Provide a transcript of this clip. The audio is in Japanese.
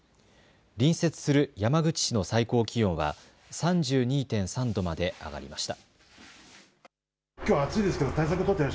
隣接する山口市の最高気温は３２．３度まで上がりました。